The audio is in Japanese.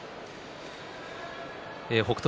北勝